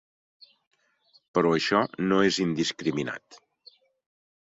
Però això no és indiscriminat.